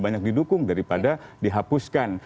banyak didukung daripada dihapuskan